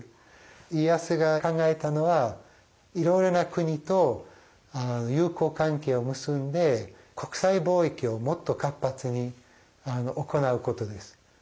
家康が考えたのはいろいろな国と友好関係を結んで国際貿易をもっと活発に行うことです。